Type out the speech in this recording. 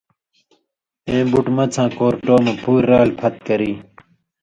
اَیں بُٹ مڅھاں کؤرٹو مہ پُوریۡ رال پھت کری۔